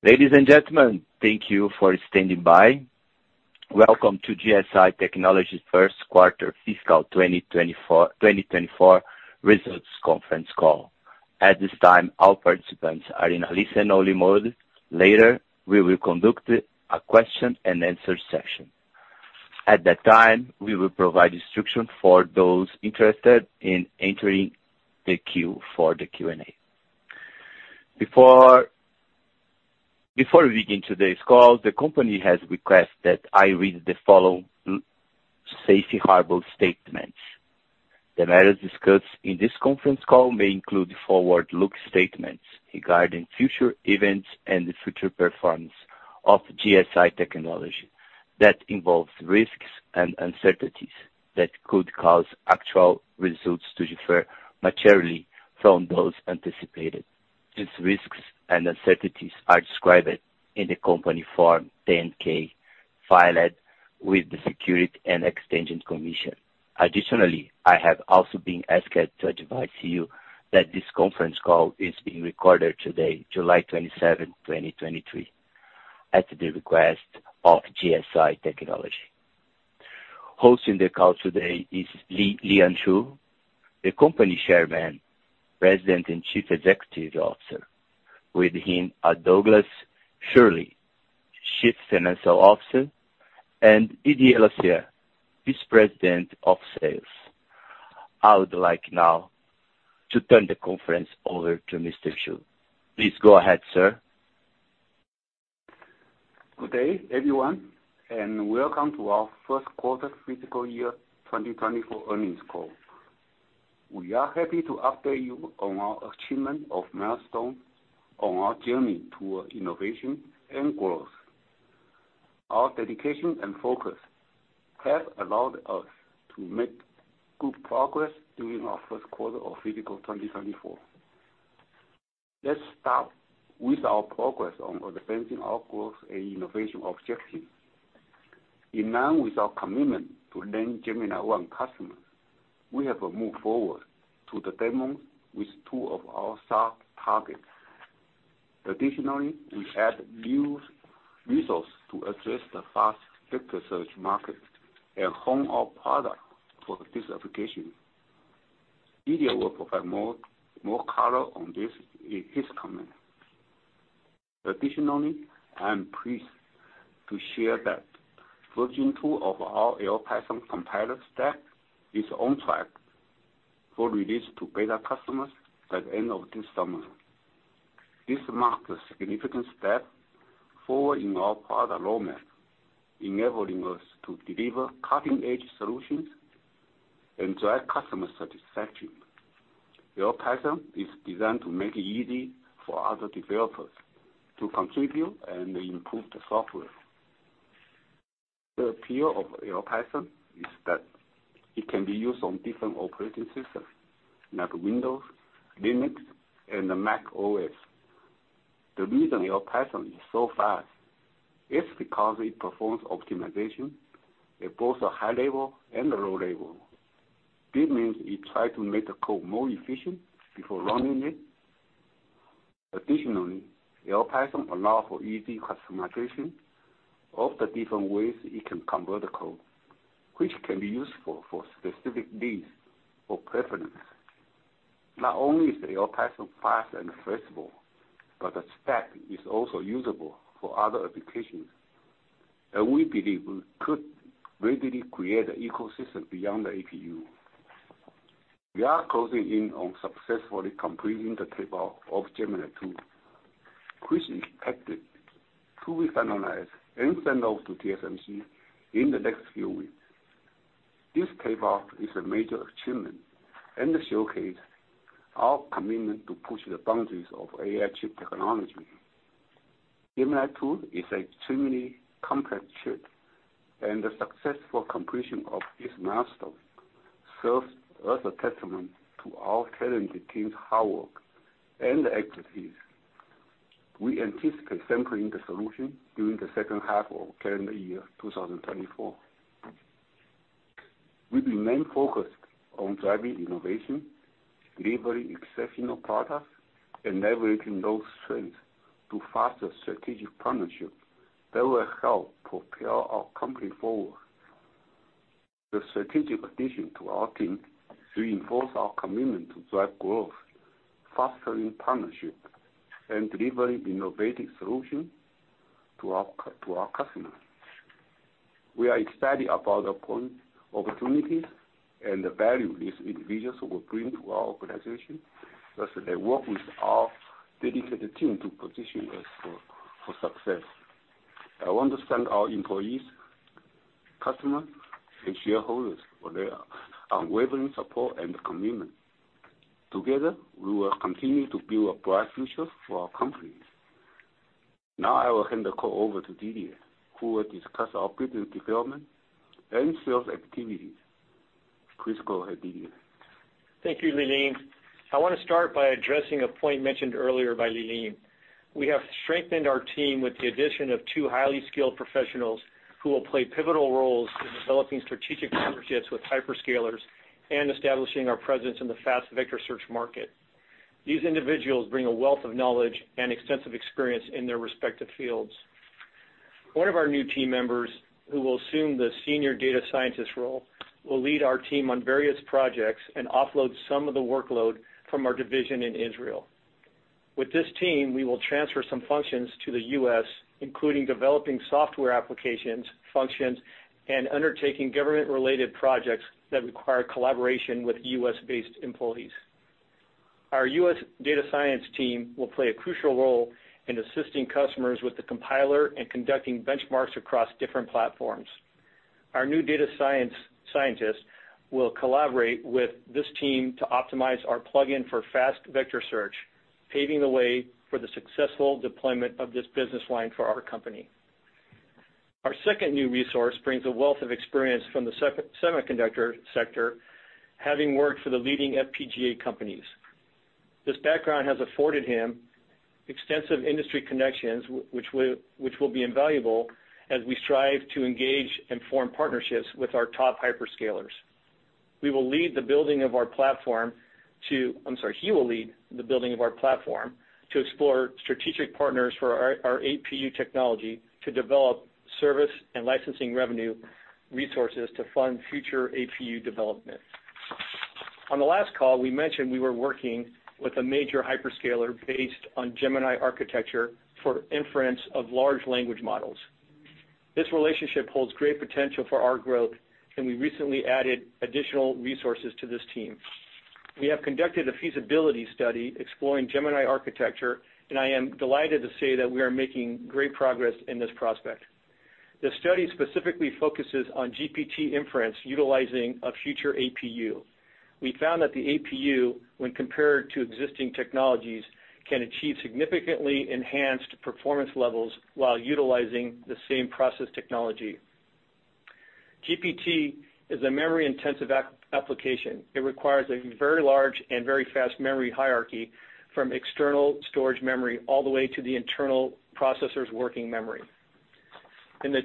Ladies and gentlemen, thank you for standing by. Welcome to GSI Technology's Q1 Fiscal 2024, 2024 results conference call. At this time, all participants are in a listen-only mode. Later, we will conduct a question-and-answer session. At that time, we will provide instruction for those interested in entering the queue for the Q&A. Before we begin today's call, the company has requested that I read the following safe harbor statements. The matters discussed in this conference call may include forward-looking statements regarding future events and the future performance of GSI Technology that involves risks and uncertainties that could cause actual results to differ materially from those anticipated. These risks and uncertainties are described in the company Form 10-K, filed with the Securities and Exchange Commission. Additionally, I have also been asked to advise you that this conference call is being recorded today, July 27, 2023, at the request of GSI Technology. Hosting the call today is Lee-Lean Shu, the company Chairman, President, and Chief Executive Officer. With him are Douglas Schirle, Chief Financial Officer, and Didier Lasserre, Vice President of Sales. I would like now to turn the conference over to Mr. Shu. Please go ahead, sir. Good day, everyone, welcome to our Q1 fiscal year 2024 earnings call. We are happy to update you on our achievement of milestone on our journey towards innovation and growth. Our dedication and focus have allowed us to make good progress during our Q1 of fiscal 2024. Let's start with our progress on advancing our growth and innovation objective. In line with our commitment to land Gemini-I customers, we have moved forward to the demo with two of our SAR targets. Additionally, we add new resource to address the Fast Vector Search market a home our product for this application. Didier will provide more color on this in his comments. Additionally, I'm pleased to share that version two of our LPython compiler stack is on track for release to beta customers by the end of this summer. This marks a significant step forward in our product roadmap, enabling us to deliver cutting-edge solutions and drive customer satisfaction. LPython is designed to make it easy for other developers to contribute and improve the software. The appeal of LPython is that it can be used on different operating systems, like Windows, Linux, and the macOS. The reason LPython is so fast is because it performs optimization at both a high level and a low level. This means it tries to make the code more efficient before running it. Additionally, LPython allow for easy customization of the different ways it can convert the code, which can be useful for specific needs or preferences. Not only is the LPython fast and flexible, but the stack is also usable for other applications, and we believe we could readily create an ecosystem beyond the APU. We are closing in on successfully completing the tape-out of Gemini-II, which is expected to be finalized and sent off to TSMC in the next few weeks. This tape-out is a major achievement and showcase our commitment to push the boundaries of AI chip technology. Gemini-II is extremely complex chip, and the successful completion of this milestone serves as a testament to our talented team's hard work and expertise. We anticipate sampling the solution during the second half of calendar year 2024. We remain focused on driving innovation, delivering exceptional products, and leveraging those strengths to foster strategic partnerships that will help propel our company forward. The strategic addition to our team reinforce our commitment to drive growth, fostering partnership, and delivering innovative solutions to our to our customers. We are excited about the opportunities and the value these individuals will bring to our organization as they work with our dedicated team to position us for success. I want to thank our employees, customers, and shareholders for their unwavering support and commitment. Together, we will continue to build a bright future for our companies. Now I will hand the call over to Didier, who will discuss our business development and sales activities. Please go ahead, Didier. Thank you, Lee-Lean. I want to start by addressing a point mentioned earlier by Lee-Lean. We have strengthened our team with the addition of two highly skilled professionals who will play pivotal roles in developing strategic partnerships with hyper-scalers and establishing our presence in the Fast Vector Search market. These individuals bring a wealth of knowledge and extensive experience in their respective fields. One of our new team members, who will assume the senior data scientist role, will lead our team on various projects and offload some of the workload from our division in Israel. With this team, we will transfer some functions to the US, including developing software applications, functions, and undertaking government-related projects that require collaboration with US-based employees. Our US data science team will play a crucial role in assisting customers with the compiler and conducting benchmarks across different platforms. Our new data science scientists will collaborate with this team to optimize our plug-in for Fast Vector Search, paving the way for the successful deployment of this business line for our company. Our second new resource brings a wealth of experience from the semiconductor sector, having worked for the leading FPGA companies. This background has afforded him extensive industry connections, which will be invaluable as we strive to engage and form partnerships with our top hyperscalers. He will lead the building of our platform to explore strategic partners for our APU technology, to develop service and licensing revenue resources to fund future APU development. On the last call, we mentioned we were working with a major hyperscaler based on Gemini architecture for inference of large language models. This relationship holds great potential for our growth. We recently added additional resources to this team. We have conducted a feasibility study exploring Gemini architecture, and I am delighted to say that we are making great progress in this prospect. The study specifically focuses on GPT inference utilizing a future APU. We found that the APU, when compared to existing technologies, can achieve significantly enhanced performance levels while utilizing the same process technology. GPT is a memory-intensive application. It requires a very large and very fast memory hierarchy from external storage memory all the way to the internal processor's working memory. In the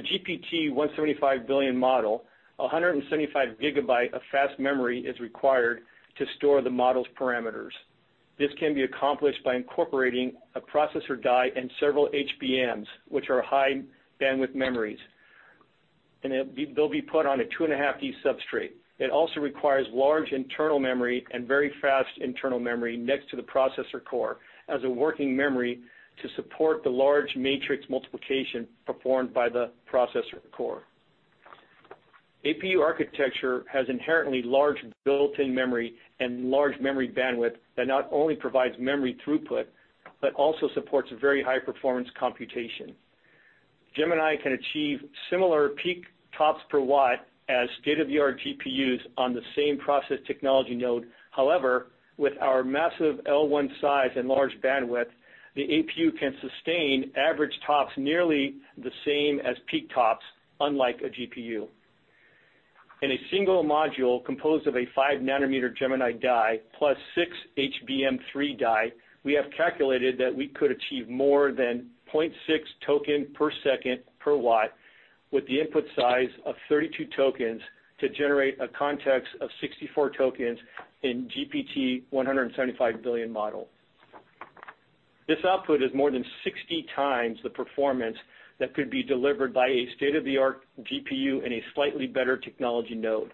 GPT 175 billion model, 175 GB of fast memory is required to store the model's parameters. This can be accomplished by incorporating a processor die and several HBMs, which are High Bandwidth Memories, and they'll be put on a 2.5D substrate. It also requires large internal memory and very fast internal memory next to the processor core, as a working memory to support the large matrix multiplication performed by the processor core. APU architecture has inherently large built-in memory and large memory bandwidth that not only provides memory throughput, but also supports very high-performance computation. Gemini can achieve similar peak TOPS per watt as state-of-the-art GPUs on the same process technology node. However, with our massive L1 size and large bandwidth, the APU can sustain average TOPS nearly the same as peak TOPS, unlike a GPU. In a single module composed of a 5 nm Gemini [die plus] 6 HBM3 [die], we have calculated that we could achieve more than 0.6 token per second per watt, with the input size of 32 tokens, to generate a context of 64 tokens in GPT 175 billion model. This output is more than 60 times the performance that could be delivered by a state-of-the-art GPU in a slightly better technology node.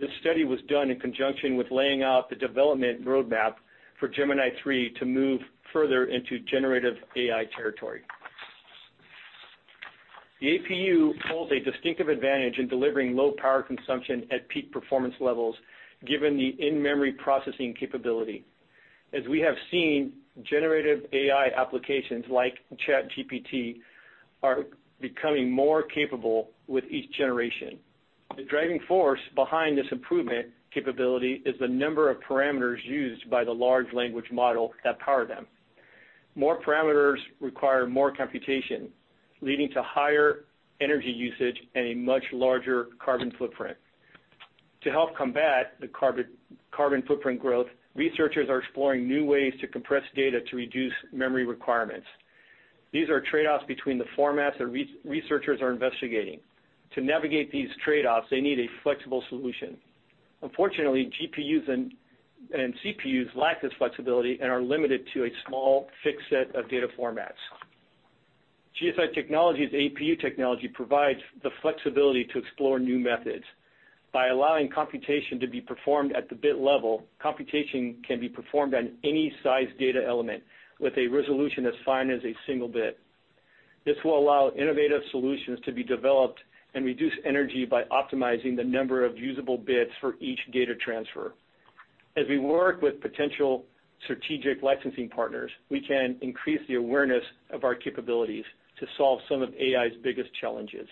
This study was done in conjunction with laying out the development roadmap for Gemini-III to move further into generative AI territory. The APU holds a distinctive advantage in delivering low power consumption at peak performance levels, given the in-memory processing capability. As we have seen, generative AI applications, like ChatGPT, are becoming more capable with each generation. The driving force behind this improvement capability is the number of parameters used by the large language model that power them. More parameters require more computation, leading to higher energy usage and a much larger carbon footprint. To help combat the carbon footprint growth, researchers are exploring new ways to compress data to reduce memory requirements. These are trade-offs between the formats that researchers are investigating. To navigate these trade-offs, they need a flexible solution. Unfortunately, GPUs and CPUs lack this flexibility and are limited to a small, fixed set of data formats. GSI Technology's APU technology provides the flexibility to explore new methods. By allowing computation to be performed at the bit level, computation can be performed on any size data element with a resolution as fine as a single bit. This will allow innovative solutions to be developed and reduce energy by optimizing the number of usable bits for each data transfer. As we work with potential strategic licensing partners, we can increase the awareness of our capabilities to solve some of AI's biggest challenges.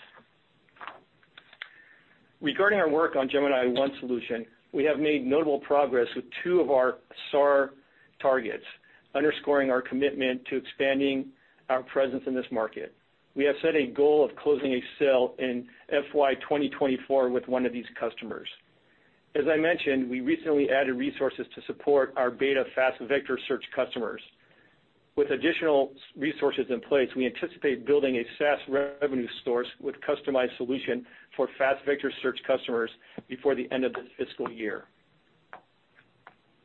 Regarding our work on Gemini-I solution, we have made notable progress with two of our SAR targets, underscoring our commitment to expanding our presence in this market. We have set a goal of closing a sale in FY 2024 with one of these customers. As I mentioned, we recently added resources to support our beta Fast Vector Search customers. With additional resources in place, we anticipate building a SaaS revenue source with customized solution for Fast Vector Search customers before the end of this fiscal year.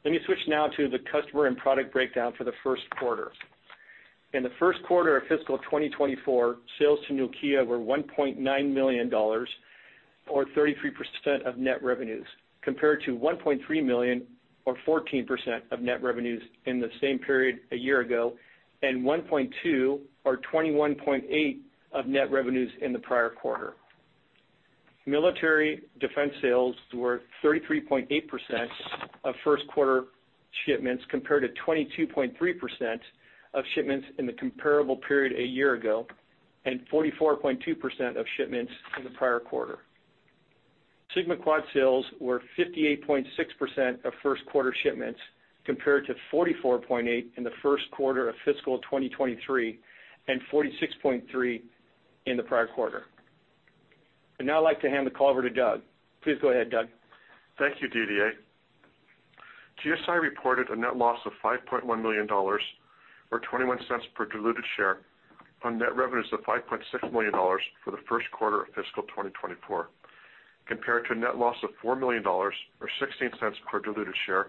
Let me switch now to the customer and product breakdown for the Q1. In the Q1 of fiscal 2024, sales to Nokia were $1.9 million, or 33% of net revenues, compared to $1.3 million, or 14% of net revenues in the same period a year ago, and $1.2 million, or 21.8% of net revenues in the prior quarter. Military defense sales were 33.8% of Q1 shipments, compared to 22.3% of shipments in the comparable period a year ago, and 44.2% of shipments in the prior quarter. SigmaQuad sales were 58.6% of Q1 shipments, compared to 44.8% in the Q1 of fiscal 2023, and 46.3% in the prior quarter. I'd now like to hand the call over to Doug. Please go ahead, Doug. Thank you, Didier. GSI reported a net loss of $5.1 million, or $0.21 per diluted share on net revenues of $5.6 million for the Q1 of fiscal 2024, compared to a net loss of $4 million or $0.16 per diluted share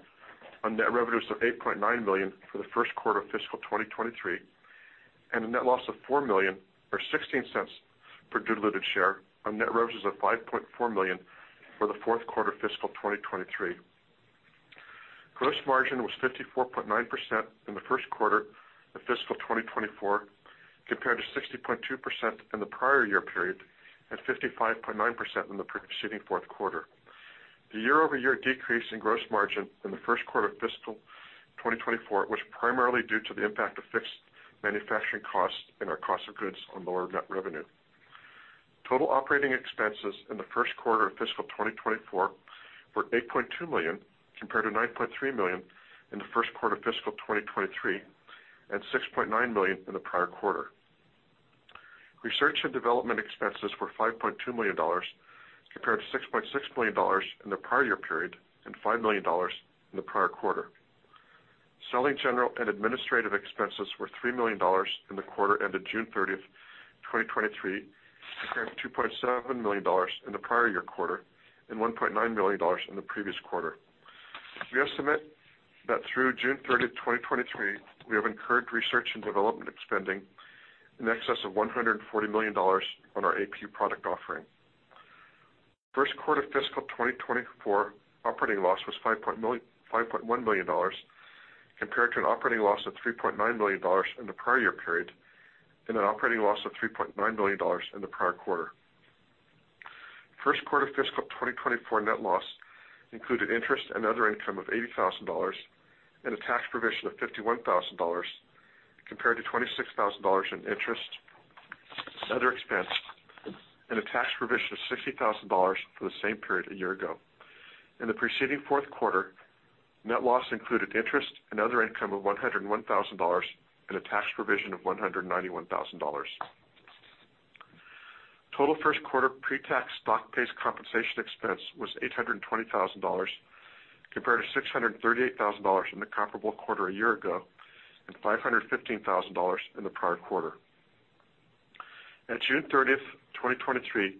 on net revenues of $8.9 million for the Q1 of fiscal 2023, and a net loss of $4 million or $0.16 per diluted share on net revenues of $5.4 million for the Q4 fiscal 2023. Gross margin was 54.9% in the Q1 of fiscal 2024, compared to 60.2% in the prior year period and 55.9% in the preceding Q4. The year-over-year decrease in gross margin in the Q1 of fiscal 2024 was primarily due to the impact of fixed manufacturing costs and our cost of goods on lower net revenue. Total operating expenses in the Q1 of fiscal 2024 were $8.2 million, compared to $9.3 million in the Q1 of fiscal 2023, and $6.9 million in the prior quarter. Research and development expenses were $5.2 million, compared to $6.6 million in the prior year period and $5 million in the prior quarter. Selling general and administrative expenses were $3 million in the quarter ended June 30th, 2023 compared to $2.7 million in the prior year quarter and $1.9 million in the previous quarter. We estimate that through June 30, 2023, we have incurred research and development spending in excess of $140 million on our APU product offering. Q1 fiscal 2024 operating loss was $5.1 million, compared to an operating loss of $3.9 million in the prior year period and an operating loss of $3.9 million in the prior quarter. Q1 fiscal 2024 net loss included interest and other income of $80,000 and a tax provision of $51,000, compared to $26,000 in interest, other expense, and a tax provision of $60,000 for the same period a year ago. In the preceding Q4, net loss included interest and other income of $101,000 and a tax provision of $191,000. Total Q1 pre-tax stock-based compensation expense was $820,000 compared to $638,000 in the comparable quarter a year ago, and $515,000 in the prior quarter. At June 30th, 2023,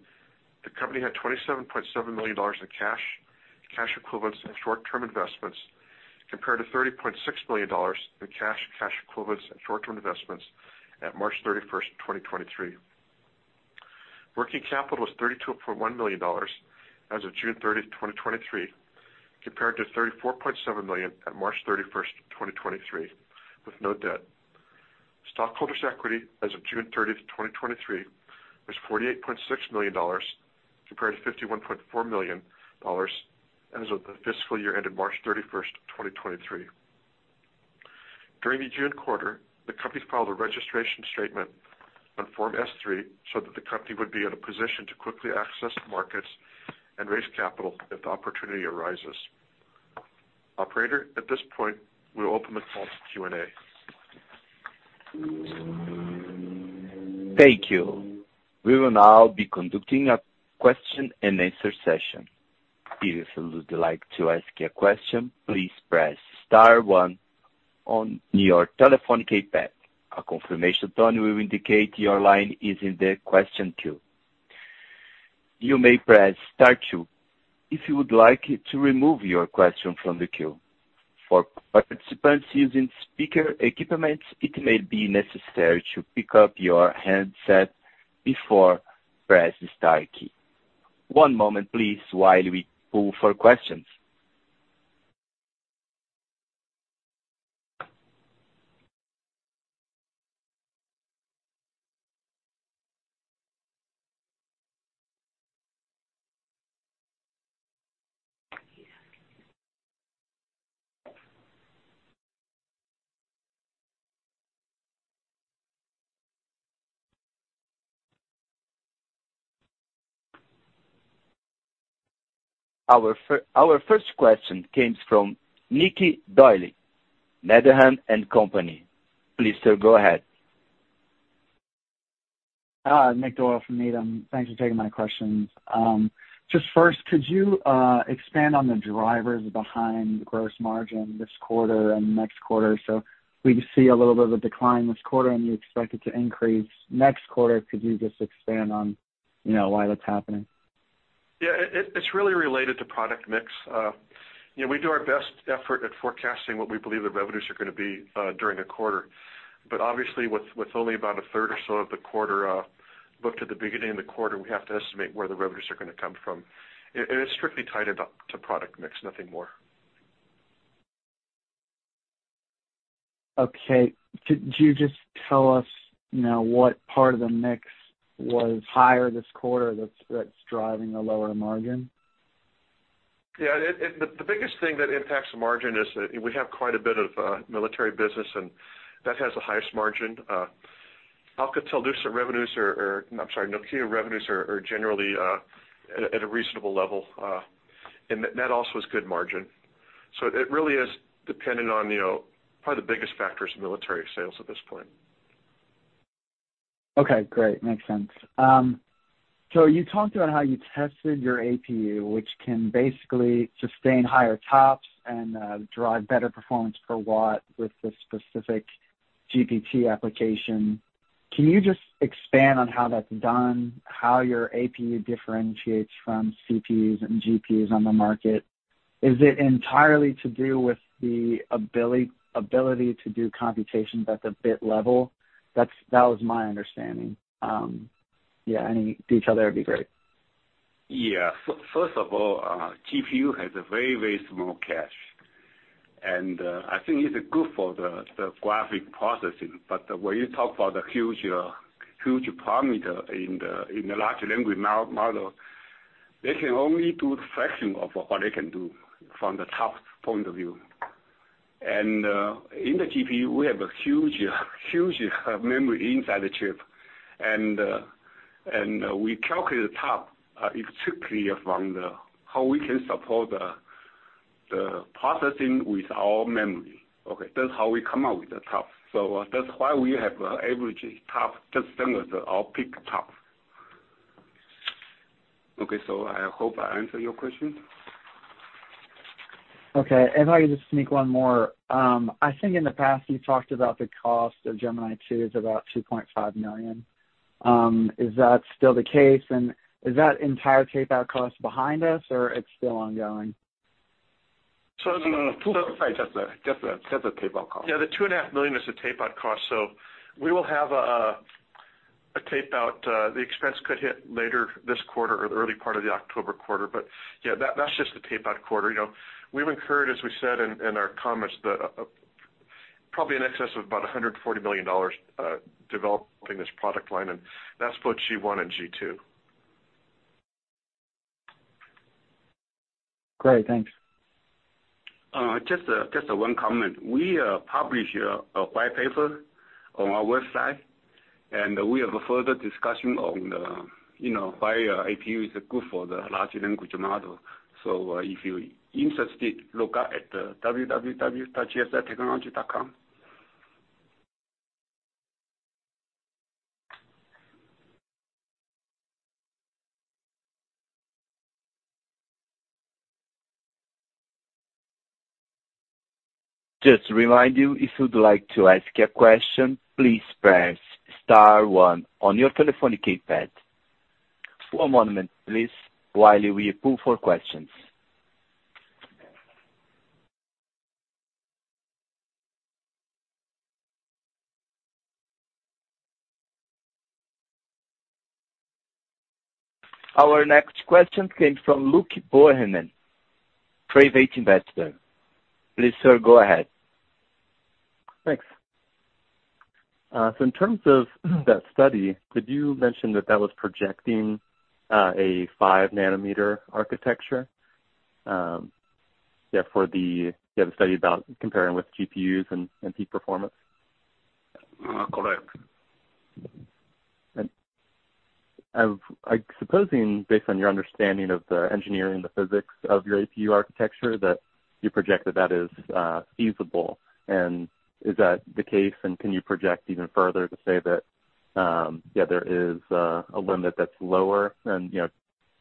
the company had $27.7 million in cash, cash equivalents and short-term investments, compared to $30.6 million in cash, cash equivalents and short-term investments at March 31st, 2023. Working capital was $32.1 million as of June 30, 2023 compared to $34.7 million at March 31, 2023, with no debt. Stockholders' equity as of June 30th, 2023, was $48.6 million compared to $51.4 million as of the fiscal year ended March 31, 2023. During the June quarter, the company filed a registration statement on Form S-3, so that the company would be in a position to quickly access markets and raise capital if the opportunity arises. Operator, at this point, we'll open the call for Q&A. Thank you. We will now be conducting a question-and-answer session. If you would like to ask a question, please press star one on your telephone keypad. A confirmation tone will indicate your line is in the question queue. You may press star two if you would like to remove your question from the queue. For participants using speaker equipment, it may be necessary to pick up your handset before press the star key. One moment please, while we pull for questions. Our first question comes from Nick Doyle, Needham & Company. Please, sir, go ahead. Nick Doyle from Needham. Thanks for taking my questions. Just first, could you expand on the drivers behind the gross margin this quarter and next quarter? We see a little bit of a decline this quarter, and you expect it to increase next quarter. Could you just expand on, you know, why that's happening? Yeah, it, it, it's really related to product mix. You know, we do our best effort at forecasting what we believe the revenues are gonna be during a quarter. Obviously, with, with only about a third or so of the quarter, looked at the beginning of the quarter, we have to estimate where the revenues are gonna come from. It, and it's strictly tied it up to product mix, nothing more. Okay. Could you just tell us, you know, what part of the mix was higher this quarter that's, that's driving a lower margin? Yeah, it, it, the biggest thing that impacts the margin is that we have quite a bit of military business, and that has the highest margin. Alcatel-Lucent revenues are, are, I'm sorry, Nokia revenues are, are generally at a, at a reasonable level, and that also is good margin. It really is dependent on, you know, probably the biggest factor is military sales at this point. Okay, great. Makes sense. You talked about how you tested your APU, which can basically sustain higher TOPS and drive better performance per watt with the specific GPT application. Can you just expand on how that's done, how your APU differentiates from CPUs and GPUs on the market? Is it entirely to do with the abil- ability to do computations at the bit level? That's, that was my understanding. Yeah, any detail there would be great. Yeah. First of all, GPU has a very, very small cache, and I think it's good for the graphic processing but when you talk about the huge, huge parameter in the large language model, they can only do a fraction of what they can do from the TOPS point of view. In the GPU, we have a huge, huge memory inside the chip, and we calculate the TOPS strictly from the, how we can support the processing with our memory. Okay, that's how we come up with the TOPS. That's why we have average TOPS, just same as our peak TOPS. Okay, I hope I answered your question. Okay. If I could just sneak one more. I think in the past, you've talked about the cost of Gemini-II is about $2.5 million. Is that still the case, and is that entire tape-out cost behind us, or it's still ongoing? No, no, sorry, just the, just the, just the tape-out cost. The $2.5 million is the tape-out cost, so we will have a tape-out, the expense could hit later this quarter or the early part of the October quarter. That, that's just the tape-out quarter. You know, we've incurred, as we said in, in our comments, the probably in excess of about $140 million developing this product line, and that's both Gemini-I and Gemini-II. Great, thanks. Just one comment. We publish a white paper on our website, and we have a further discussion on the, you know, why APU is good for the large language model. If you're interested, look at the www.gsitechnology.com. Just to remind you, if you'd like to ask a question, please press star one on your telephone keypad. One moment, please, while we pull for questions. Our next question comes from Luke Bohannon, Private Investor. Please, sir, go ahead. Thanks. In terms of that study, could you mention that that was projecting a 5 nm architecture? Yeah, for the, you have a study about comparing with GPUs and, and peak performance? Correct. I've, I supposing, based on your understanding of the engineering, the physics of your APU architecture, that you project that that is feasible. Is that the case? Can you project even further to say that, yeah, there is a limit that's lower than, you know,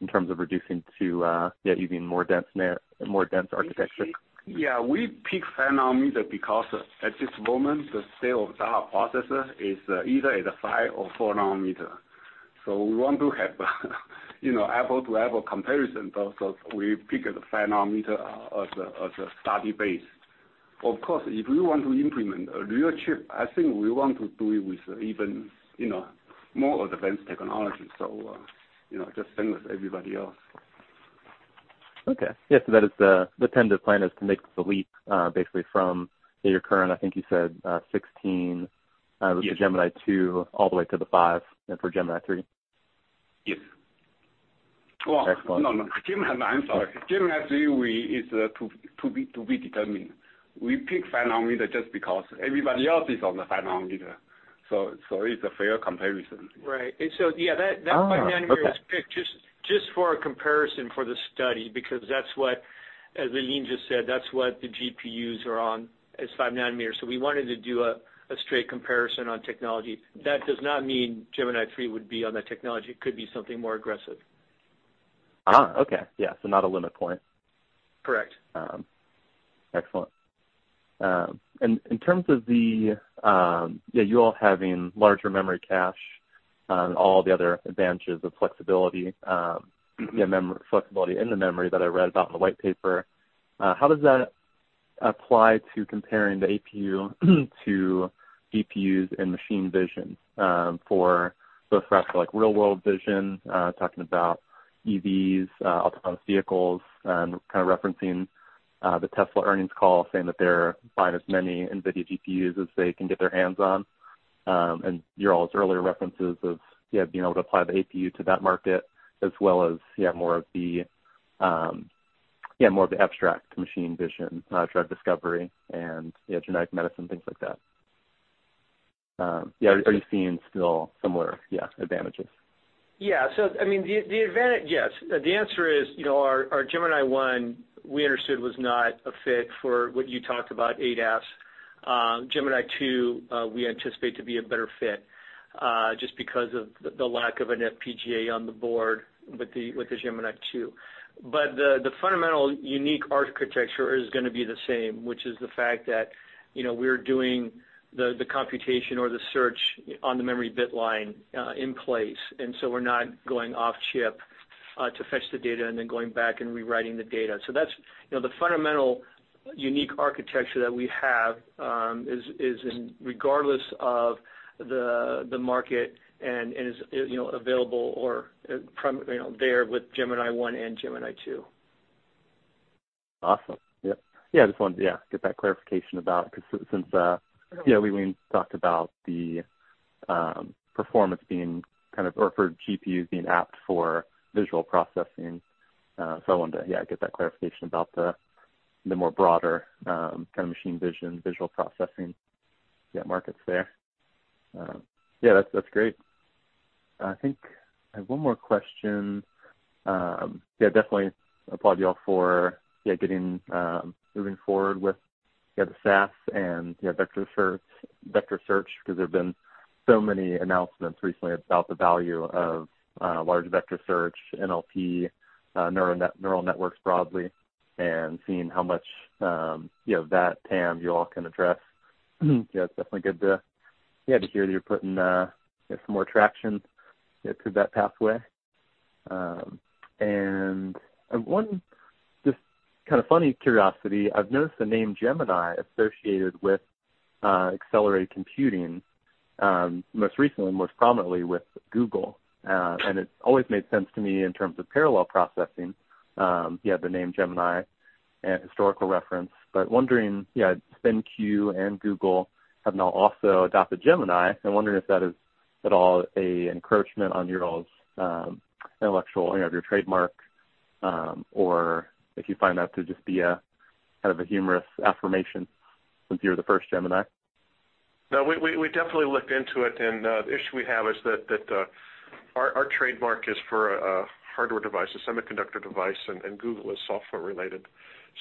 in terms of reducing to yet even more dense nan, more dense architecture? Yeah, we pick 5 nm because at this moment, the state-of-the-art processor is, either at a 5 or 4 nm. We want to have, you know, Apple to Apple comparison. We pick the 5 nm as a study base. Of course, do we want to implement or do you chip? I think we want to do it with even, you know, more advanced technology. You know, just same as everybody else. Okay. Yeah, that is the, the tentative plan is to make the leap, basically from your current, I think you said, 16. Yes. With the Gemini-II, all the way to the five and for Gemini-III. Yes. Excellent. No, no, Gemini, I'm sorry. Gemini-III, we is to be determined. We pick 5 nm just because everybody else is on the 5 nm so it's a fair comparison. Right. So, yeah, that, that 5 nm was picked just, just for a comparison for the study, because that's what, as Lee-Lean Shu just said, that's what the GPUs are on, is 5 nm. We wanted to do a straight comparison on technology. That does not mean Gemini-III would be on that technology. It could be something more aggressive. Okay. Yeah, not a limit point. Correct. Excellent. And in terms of the, you all having larger memory cache, all the other advantages of flexibility, memory, flexibility in the memory that I read about in the white paper, how does that apply to comparing the APU to GPUs and machine vision, for both like real world vision, talking about EVs, autonomous vehicles, and kind of referencing the Tesla earnings call, saying that they're buying as many NVIDIA GPUs as they can get their hands on, and you all's earlier references of being able to apply the APU to that market, as well as more of the abstract machine vision, drug discovery and genetic medicine, things like that, are you seeing still similar advantages? Yeah. I mean, the advantage, yes. The answer is, you know, our Gemini-I, we understood, was not a fit for what you talked about, ADAS. Gemini-II, we anticipate to be a better fit just because of the lack of an FPGA on the board with the Gemini-II. The fundamental unique architecture is gonna be the same, which is the fact that, you know, we're doing the computation or the search on the memory bit line in place. We're not going off chip to fetch the data and then going back and rewriting the data. That's, you know, the fundamental unique architecture that we have is in regardless of the market and is, you know, available or, you know, there with Gemini-I and Gemini-II. Awesome. I just wanted to get that clarification about... Because since we talked about the performance being kind of, or for GPUs being apt for visual processing. I wanted to get that clarification about the more broader kind of machine vision, visual processing markets there. That's, that's great. I think I have one more question. Definitely applaud you all for getting moving forward with the SaaS and vector search, vector search, because there have been so many announcements recently about the value of large vector search, NLP, neural networks broadly, and seeing how much, you know, that TAM you all can address. It's definitely good to hear that you're putting some more traction through that pathway. One just kind of funny curiosity. I've noticed the name Gemini associated with accelerated computing, most recently, most prominently with Google. It's always made sense to me in terms of parallel processing, the name Gemini and historical reference, wondering, SpinQ and Google have now also adopted Gemini. I'm wondering if that is at all an encroachment on your all's intellectual, you know, your trademark, or if you find that to just be a kind of a humorous affirmation since you're the first Gemini. No, we definitely looked into it, and the issue we have is that our trademark is for a hardware device, a semiconductor device, and Google is software related,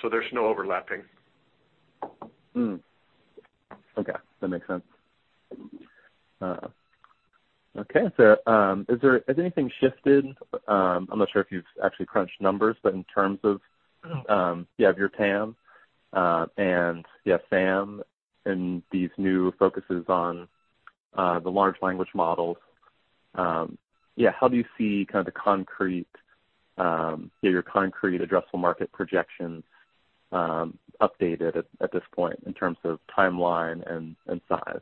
so there's no overlapping. Okay, that makes sense. Okay, so, has anything shifted, I'm not sure if you've actually crunched numbers, but in terms of, you have your TAM, and you have SAM and these new focuses on the large language models, yeah, how do you see kind of the concrete, yeah, your concrete addressable market projections updated at, at this point in terms of timeline and, and size?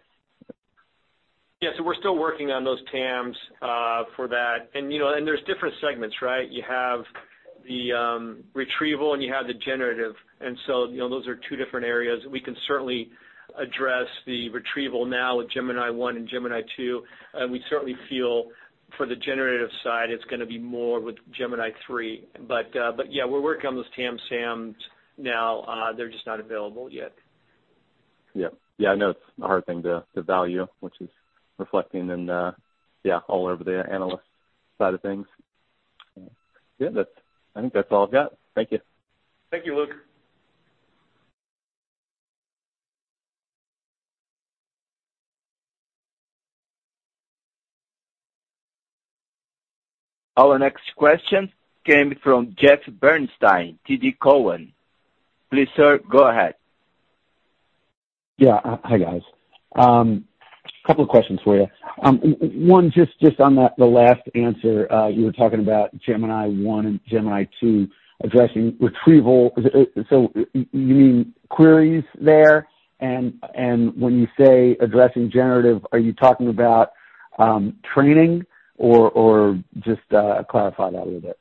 Yeah, so we're still working on those TAMs for that. You know, and there's different segments, right? You have the retrieval, and you have the generative. So, you know, those are two different areas. We can certainly address the retrieval now with Gemini-I and Gemini-II, and we certainly feel for the generative side, it's gonna be more with Gemini-III. But yeah, we're working on those TAM SAMs now. They're just not available yet. Yep. Yeah, I know it's a hard thing to, to value, which is reflecting in, yeah, all over the analyst side of things. Yeah, that's. I think that's all I've got. Thank you. Thank you, Luke. Our next question came from Jeffrey Bernstein, TD Cowen. Please, sir, go ahead. Yeah. Hi, guys. A couple of questions for you. One, just on that, the last answer, you were talking about Gemini-I and Gemini-II, addressing retrieval. You mean queries there? When you say addressing generative, are you talking about training or just clarify that a little bit.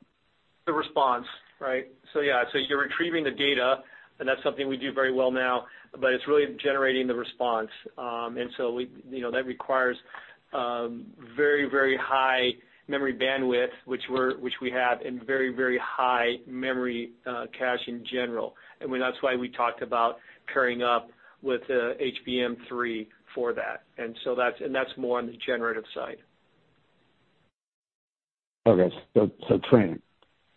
The response, right? Yeah, so you're retrieving the data, and that's something we do very well now, but it's really generating the response. We, you know, that requires very, very high memory bandwidth, which we're, which we have, and very, very high memory cache in general. That's why we talked about pairing up with HBM3 for that. That's, and that's more on the generative side. Okay, so, so training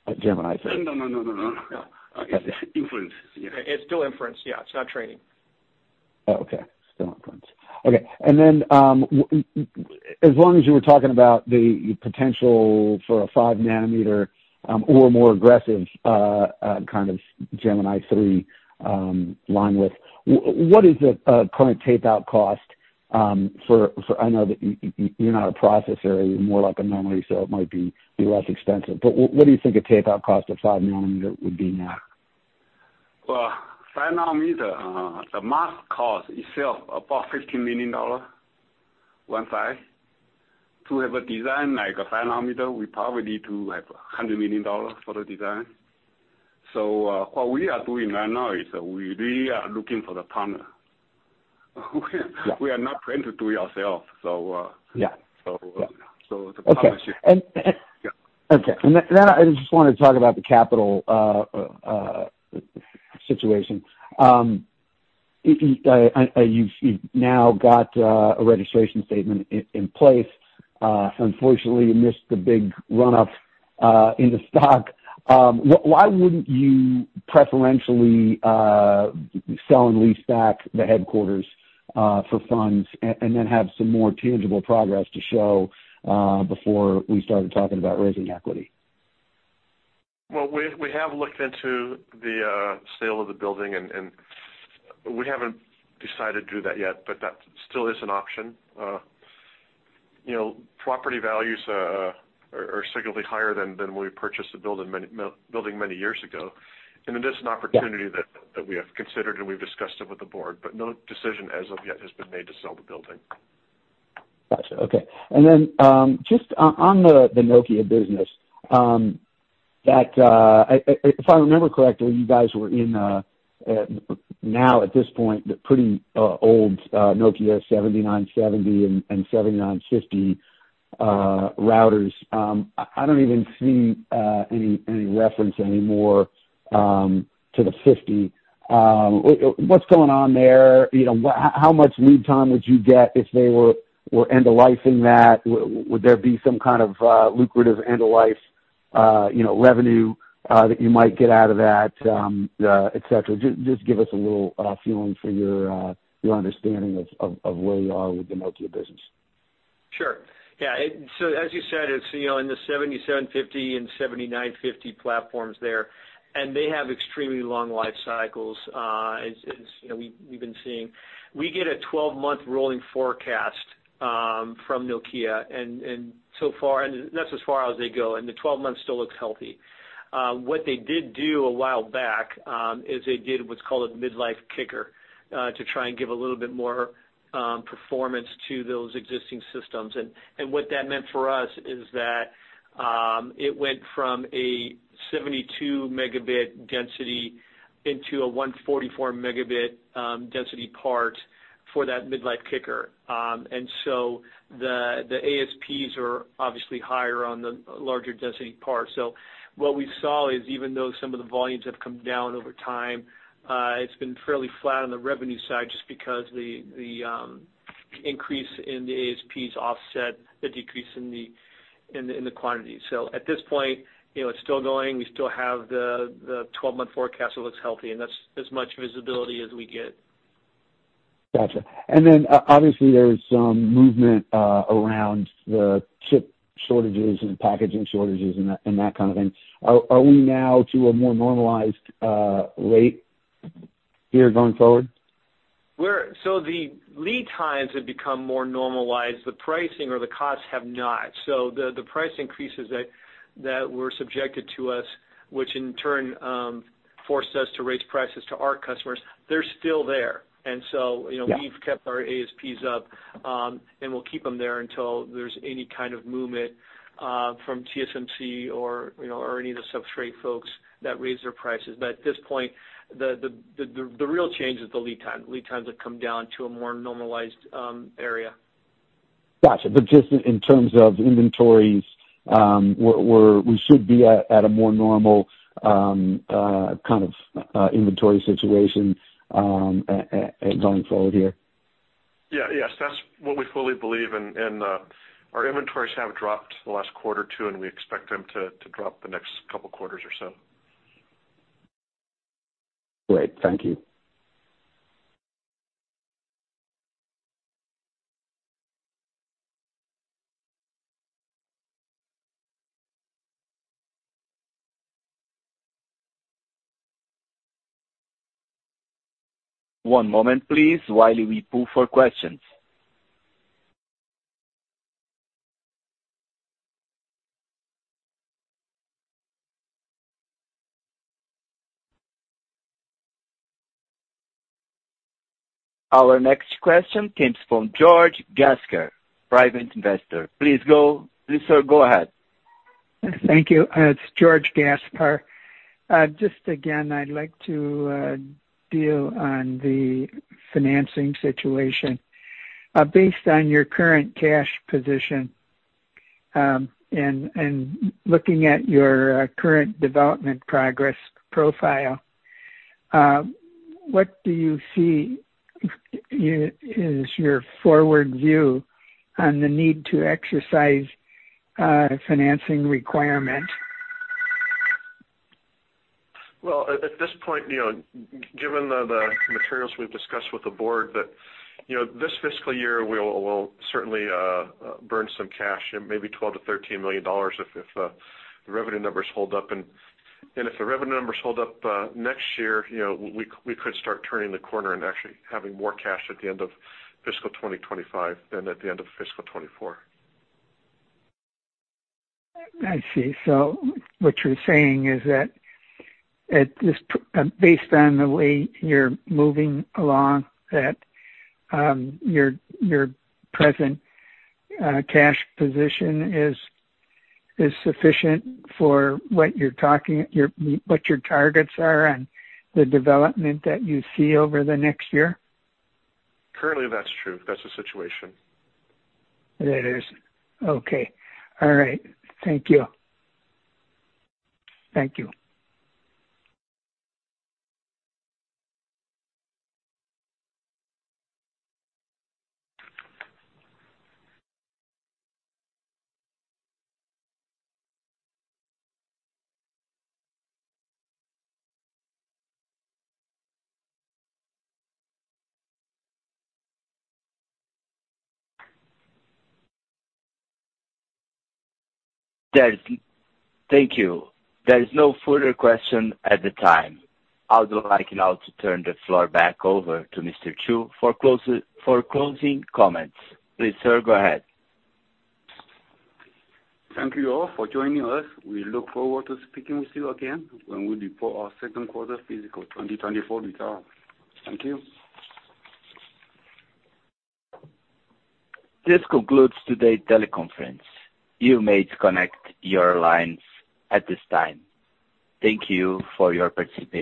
at Gemini-III? No, no, no, no, no, no. No. Okay. Inference. It's still inference. Yeah, it's not training. Oh, okay. Still inference. Okay. Then, as long as you were talking about the potential for a 5 nm, or more aggressive, kind of Gemini-III, line with, what is the current tape-out cost, for I know that you're not a processor, you're more like a memory, so it might be less expensive, but what do you think a tape-out cost of 5 nm would be now? Well, 5 nm, the mask cost itself about $15 million, one side. To have a design like a 5 nm, we probably need to have $100 million for the design. What we are doing right now is we are looking for the partner. We are not planning to do it ourselves. Yeah. The partnership. Okay. Yeah. I just wanted to talk about the capital situation. You've, you've now got a registration statement in place. Unfortunately, you missed the big run up in the stock. Why wouldn't you preferentially sell and lease back the headquarters for funds, and then have some more tangible progress to show before we started talking about raising equity? Well, we, we have looked into the sale of the building, and, and we haven't decided to do that yet, but that still is an option. You know, property values are significantly higher than, than when we purchased the building many, building many years ago. It is an opportunity. Yeah... that we have considered, and we've discussed it with the board, but no decision as of yet has been made to sell the building. Gotcha. Okay. Then, just on the Nokia business, that, I, if I remember correctly, you guys were in, now at this point, the pretty old Nokia 7970 and 7950 routers. I, I don't even see any, any reference anymore to the 50. What's going on there? You know, how much lead time would you get if they were, were end-of-lifing that? Would there be some kind of lucrative end-of-life, you know, revenue that you might get out of that, et cetera? Just give us a little feeling for your, your understanding of, of, of where you are with the Nokia business. Sure. Yeah, as you said, it's, you know, in the 7750 and 7950 platforms there, and they have extremely long life cycles, as, you know, we, we've been seeing. We get a 12-month rolling forecast from Nokia, so far, and that's as far as they go, and the 12 months still looks healthy. What they did do a while back is they did what's called a midlife kicker to try and give a little bit more performance to those existing systems. What that meant for us is that it went from a 72 Mb density into a 144 Mb density part for that midlife kicker. So the, the ASPs are obviously higher on the larger density part. What we saw is, even though some of the volumes have come down over time, it's been fairly flat on the revenue side just because the, the, increase in the ASPs offset the decrease in the, in the, in the quantity. At this point, you know, it's still going. We still have the, the 12-month forecast, it looks healthy, and that's as much visibility as we get. Gotcha. Then obviously, there's some movement, around the chip shortages and packaging shortages and that, and that kind of thing. Are we now to a more normalized rate here going forward? The lead times have become more normalized. The pricing or the costs have not. The, the price increases that, that were subjected to us, which in turn, forced us to raise prices to our customers, they're still there. Yeah. You know, we've kept our ASPs up, and we'll keep them there until there's any kind of movement from TSMC or, you know, or any of the substrate folks that raise their prices. At this point, the real change is the lead time. Lead times have come down to a more normalized area. Gotcha. Just in terms of inventories, we should be at a more normal kind of inventory situation going forward here? Yeah. Yes, that's what we fully believe, and, and, our inventories have dropped in the last quarter, too, and we expect them to drop the next couple quarters or so. Great. Thank you. One moment, please, while we pull for questions. Our next question comes from George Gaspar, Private Investor. Please go. Please, sir, go ahead. Thank you. It's George Gasper. Just again, I'd like to deal on the financing situation. Based on your current cash position, and, and looking at your current development progress profile, what do you see is your forward view on the need to exercise financing requirement? W ell, at, at this point, you know, given the, the materials we've discussed with the board, that, you know, this fiscal year, we'll, we'll certainly, burn some cash, maybe $12 million-$13 million if, if, the revenue numbers hold up. If the revenue numbers hold up, next year, you know, we, we could start turning the corner and actually having more cash at the end of fiscal 2025 than at the end of fiscal 2024. I see. What you're saying is that at this based on the way you're moving along, that your present cash position is sufficient for what you're talking, what your targets are and the development that you see over the next year? Currently, that's true. That's the situation. That is. Okay. All right. Thank you. Thank you. Thank you. There is no further question at the time. I would like now to turn the floor back over to Mr. Shu for closing comments. Please, sir, go ahead. Thank you all for joining us. We look forward to speaking with you again when we report our second quarter fiscal 2024 results. Thank you. This concludes today's teleconference. You may disconnect your lines at this time. Thank you for your participation.